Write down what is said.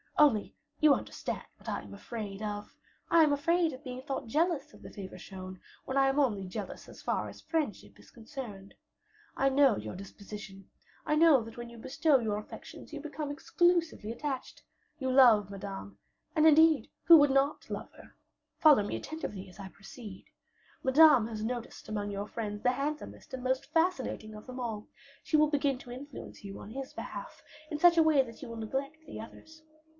Only you understand what I am afraid of I am afraid of being thought jealous of the favor shown, when I am only jealous as far as friendship is concerned. I know your disposition; I know that when you bestow your affections you become exclusively attached. You love Madame and who, indeed, would not love her? Follow me attentively as I proceed: Madame has noticed among your friends the handsomest and most fascinating of them all; she will begin to influence you on his behalf in such a way that you will neglect the others.